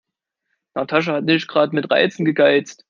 Natascha hat nicht gerade mit Reizen gegeizt.